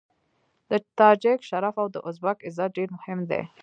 د تاجک شرف او د ازبک عزت ډېر مهم دی.